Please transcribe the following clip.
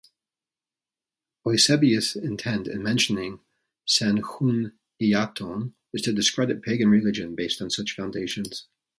Eusebius' intent in mentioning Sanchuniathon is to discredit pagan religion based on such foundations.